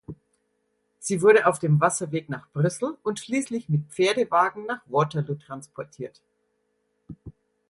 Sie wurde auf dem Wasserweg nach Brüssel und schließlich mit Pferdewagen nach Waterloo transportiert.